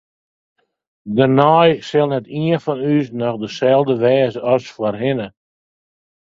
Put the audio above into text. Dêrnei sil net ien fan ús noch deselde wêze as foarhinne.